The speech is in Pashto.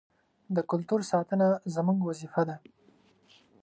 د کلتور ساتنه زموږ وظیفه ده.